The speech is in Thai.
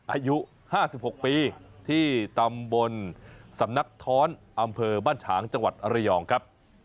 อายุ๕๖ปีที่ตำบลสำนักท้อนอำเภอบ้านฉางจังหวัดระยองครับ